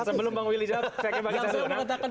sebelum bang willy jawab saya ingin